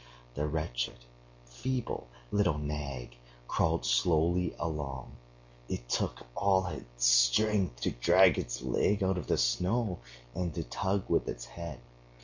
The wretched, feeble little nag crawled slowly along. It took all its strength to drag its legs out of the snow and to tug with its head.